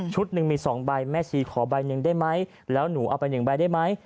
หนึ่งมี๒ใบแม่ชีขอใบหนึ่งได้ไหมแล้วหนูเอาไป๑ใบได้ไหม